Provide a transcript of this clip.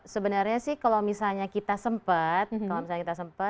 sebenarnya sih kalau misalnya kita sempat